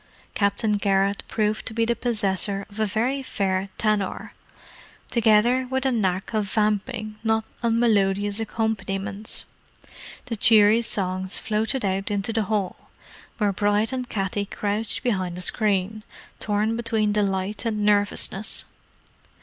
Captain Garrett proved to be the possessor of a very fair tenor, together with a knack of vamping not unmelodious accompaniments. The cheery songs floated out into the hall, where Bride and Katty crouched behind a screen, torn between delight and nervousness.